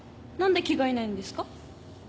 何で着替えないんですか？